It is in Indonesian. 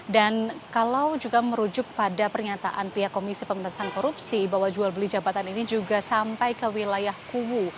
dan kalau juga merujuk pada pernyataan pihak komisi pemerintahan korupsi bahwa jual beli jabatan ini juga sampai ke wilayah kuwu